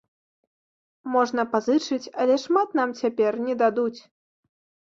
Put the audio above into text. Можна пазычыць, але шмат нам цяпер не дадуць.